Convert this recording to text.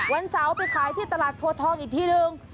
วันเสาร์ไปขายที่ตลาดโพทองอีกทีหนึ่ง